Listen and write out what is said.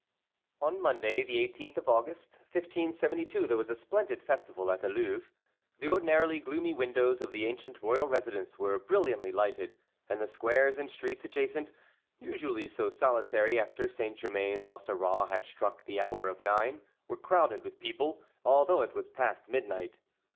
On Monday, the 18th of August, 1572, there was a splendid festival at the Louvre. The ordinarily gloomy windows of the ancient royal residence were brilliantly lighted, and the squares and streets adjacent, usually so solitary after Saint Germain l'Auxerrois had struck the hour of nine, were crowded with people, although it was past midnight.